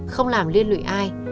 không làm liên lụy ai